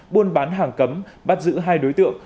buôn bán hàng cấm bắt giữ hai đối tượng